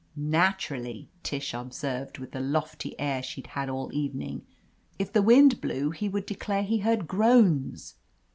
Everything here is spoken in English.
"Naturally," Tish observed, with the lofty air she'd had all evening. "If the wind blew he would declare he heard groans."